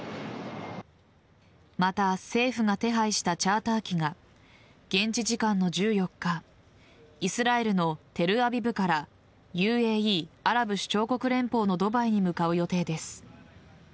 また政府が手配したチャーター機が現地時間の１４日イスラエルのテルアビブからＵＡＥ＝アラブ首長国連邦のドバイに向かう予定です。